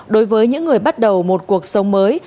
đối với những người bắt đầu một cuộc sống mới